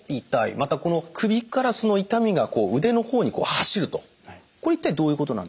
また首から痛みが腕の方に走るとこれ一体どういうことなんでしょうか？